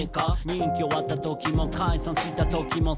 「任期終わった時も解散したときも」